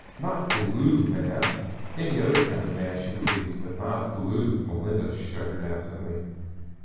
"Not blue mass. Any other kind of mass you please, but not blue," Melinda shuddered absently.